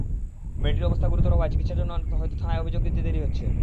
মেয়েটির অবস্থা গুরুতর হওয়ায় চিকিৎসার জন্য হয়তো থানায় অভিযোগ দিতে দেরি হচ্ছে।